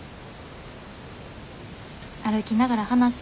歩きながら話す？